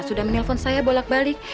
sudah menelpon saya bolak balik